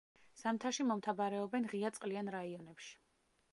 ზამთარში მომთაბარეობენ ღია წყლიან რაიონებში.